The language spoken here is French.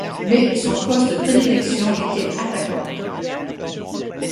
Mais son poste de prédilection était attaquant.